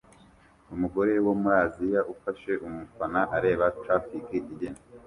Umugore wo muri Aziya ufashe umufana areba traffic igenda